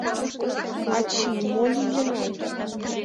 — Ачий, мо лийынат?